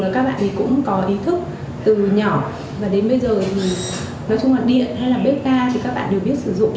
các bạn có ý thức từ nhỏ đến bây giờ thì nói chung là điện hay là bếp ga thì các bạn đều biết sử dụng